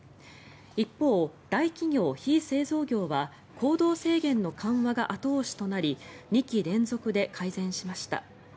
一方、大企業・非製造業は行動制限の緩和が後押しとなり２期連続で改善しました。